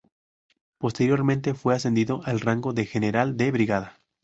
Posteriormente fue ascendido al rango de General de Brigada.